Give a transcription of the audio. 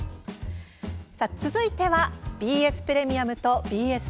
続いてはＢＳプレミアムとＢＳ４Ｋ